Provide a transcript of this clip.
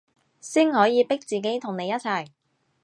先可以逼自己同你一齊